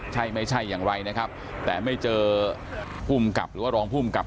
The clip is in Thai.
ใช่ไม่ใช่อย่างไรนะครับแต่ไม่เจอภูมิกับหรือว่ารองภูมิกับ